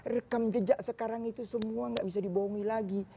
rekam jejak sekarang itu semua gak bisa dibohongi lagi